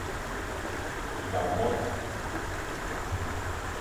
Mba mon.